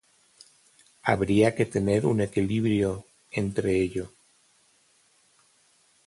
Habría que tener un equilibrio entre ello.